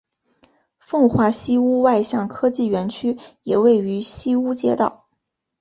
奉化西坞外向科技园区也位于西坞街道。